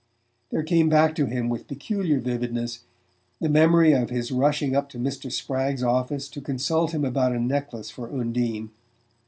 There came back to him with peculiar vividness the memory of his rushing up to Mr. Spragg's office to consult him about a necklace for Undine.